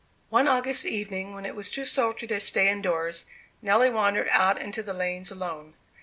One August evening, when it was too sultry to stay indoors, Nelly wandered out into the lanes alone.